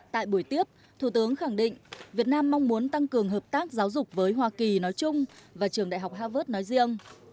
tại buổi tiếp thủ tướng khẳng định việt nam mong muốn tăng cường hợp tác giáo dục với hoa kỳ nói chung và trường đại học harvard nói riêng